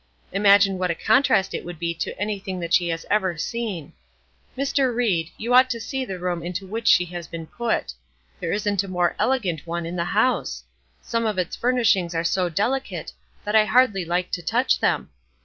Imagine what a contrast it would be to anything that she has ever seen! Mr. Ried, you ought to see the room into which she has been put. There isn't a more elegant one in the house. Some of its furnishings are so delicate that I hardly like to touch them.